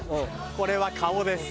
「これは顔です」。